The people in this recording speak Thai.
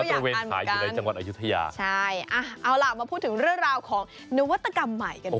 นี่ฉันก็อยากทานเหมือนกันใช่เอาล่ะมาพูดถึงเรื่องราวของนวัตกรรมใหม่กันบ้าง